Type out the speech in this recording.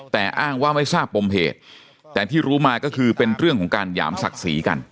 แต่อ้างว่าไม่ทราบปมเหตุแต่ที่รู้มาก็คือเป็นเรื่องของการหยามศักดิ์ศรีกัน